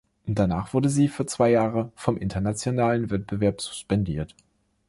Danach wurde sie für zwei Jahre vom internationalen Wettbewerb suspendiert.